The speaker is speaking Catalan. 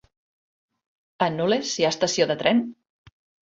A Nules hi ha estació de tren?